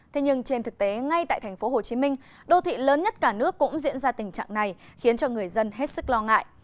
thế nhưng trên thực tế ngay tại tp hcm đô thị lớn nhất cả nước cũng diễn ra tình trạng này khiến cho người dân hết sức lo ngại